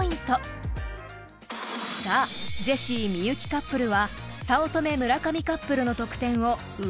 ［さあジェシー幸カップルは早乙女村上カップルの得点を上回っているのか］